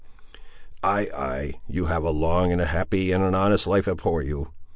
"Ay, ay; you have a long and a happy ay, and an honest life afore you!